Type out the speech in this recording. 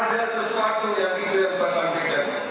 ada sesuatu yang tidak saya sampaikan